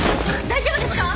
大丈夫ですか？